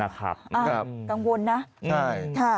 กังวลนะ